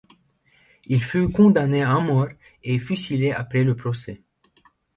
Il fut condamné à mort et fusillé après le procès.